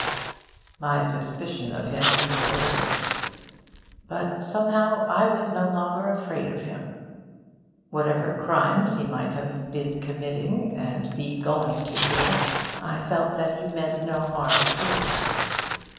My suspicions of him resurged. But somehow, I was no longer afraid of him. Whatever crimes he might have been committing, and be going to commit, I felt that he meant no harm to me.